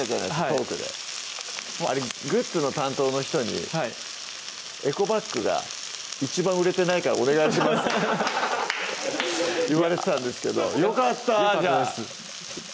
トークであれグッズの担当の人に「エコバッグが一番売れてないからお願いします」って言われてたんですけどよかったよかったです